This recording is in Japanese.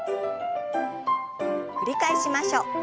繰り返しましょう。